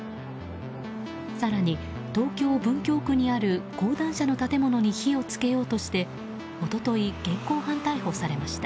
更に、東京・文京区にある講談社の建物に火を付けようとして一昨日、現行犯逮捕されました。